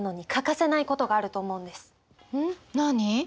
何？